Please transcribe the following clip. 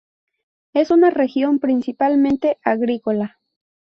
Es una región principalmente agrícola.